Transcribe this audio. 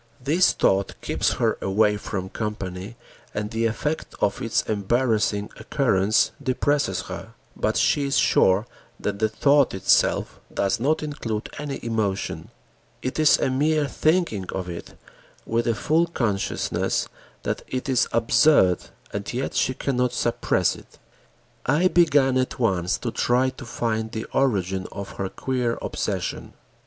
This thought keeps her away from company and the effect of its embarrassing occurrence depresses her, but she is sure that the thought itself does not include any emotion. It is a mere thinking of it with a full consciousness that it is absurd, and yet she cannot suppress it. I began at once to try to find the origin of her queer obsession.